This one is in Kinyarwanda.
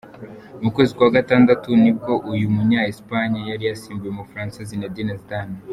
Mu kwezi kwa gatandatu ni bwo uyu Munya-Espanye yari yasimbuye Umufaransa Zinedine Zidane.